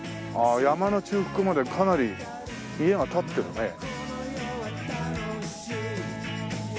ああ山の中腹までかなり家が立ってるね。